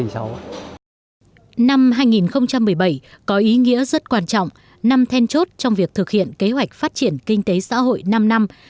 năm hai nghìn một mươi bảy có ý nghĩa rất quan trọng năm then chốt trong việc thực hiện kế hoạch phát triển kinh tế xã hội năm năm hai nghìn một mươi sáu hai nghìn hai mươi